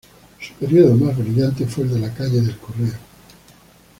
Su periodo más brillante fue el de la calle del Correo.